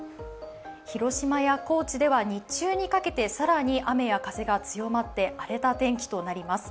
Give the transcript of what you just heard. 広島や高知では日中にかけて更に雨や風が強まって荒れた転機となります。